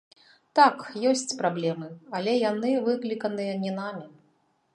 Так, ёсць праблемы, але яны выкліканыя не намі.